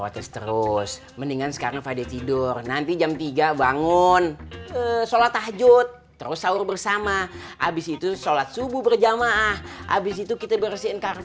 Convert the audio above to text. terus terus habis itu abis itu kita bersihin